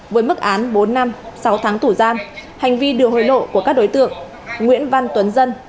với mức án bốn năm sáu tháng tù giam hành vi đưa hối lộ của các đối tượng nguyễn văn tuấn dân